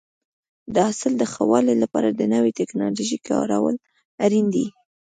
د حاصل د ښه والي لپاره د نوې ټکنالوژۍ کارول اړین دي.